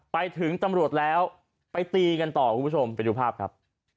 ไปถึงตำรวจแล้วไปตีกันต่อคุณผู้ชมไปดูภาพครับ